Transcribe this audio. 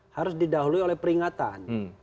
harus didahului oleh peringatan